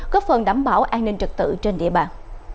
góp phần đảm bảo an ninh trật tự trên địa bàn